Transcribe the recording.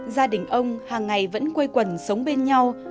gia đình ông hàng ngày vẫn quây quần sống bên nhau